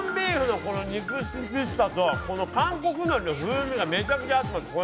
コンビーフの肉肉しさと韓国海苔の風味がめちゃくちゃ合います。